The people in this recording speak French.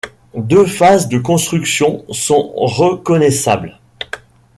Deux phases de construction sont reconnaissables.